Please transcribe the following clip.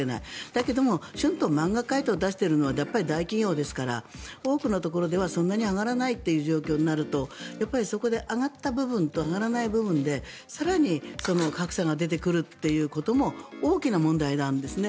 だけど春闘、満額回答出しているのはやっぱり大企業ですから多くのところではそんなに上がらない状況になるとそこで上がらない部分と上がった部分で更に格差が出てくるということも大きな問題なんですね。